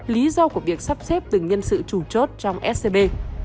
lý do của việc sắp xếp từng nhân sự chủ chốt trong scb